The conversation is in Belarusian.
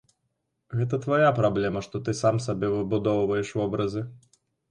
Гэта твая праблема, што ты сам сабе выбудоўваеш вобразы.